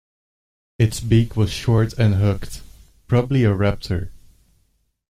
Its beak was short and hooked – probably a raptor.